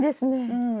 うん。